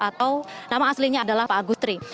atau nama aslinya adalah pak agustri